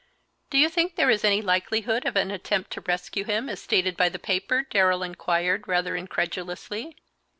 "Do you think there is any likelihood of an attempt to rescue him, as stated by the paper?" Darrell inquired, rather incredulously.